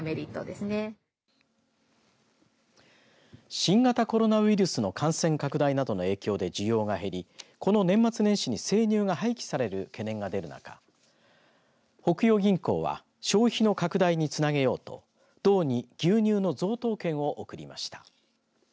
新型コロナウイルスの感染拡大などの影響で需要が減りこの年末年始に生乳が廃棄される懸念が出る中北洋銀行は消費の拡大につなげようと道に、牛乳の贈答券を贈りました。